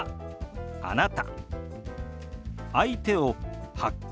「あなた」。